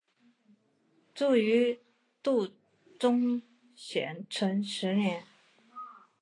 卒于度宗咸淳十年。